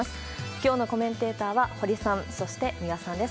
きょうのコメンテーターは堀さん、そして三輪さんです。